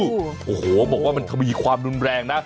โอ้โหบอกว่ามันทวีความรุนแรงนะ